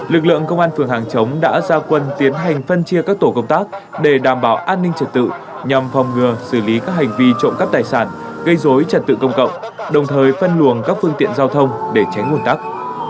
lực lượng công an phường hàng chống đã ra quân tiến hành phân chia các tổ công tác để đảm bảo an ninh trật tự nhằm phòng ngừa xử lý các hành vi trộm cắp tài sản gây dối trật tự công cộng đồng thời phân luồng các phương tiện giao thông để tránh nguồn tắc